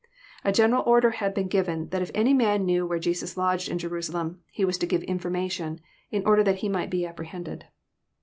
A general order had been given that if any man knew where Jesus lodged in Jerusalem, he was to give information, in order that He might be apprehended.